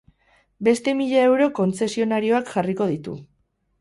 Beste mila euro kontzesionarioak jarriko ditu.